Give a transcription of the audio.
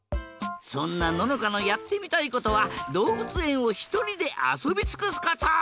そんなののかのやってみたいことはどうぶつえんをひとりであそびつくすこと！